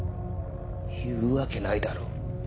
言うわけないだろ。